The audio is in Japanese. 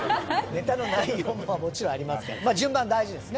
ネタの内容ももちろんあります。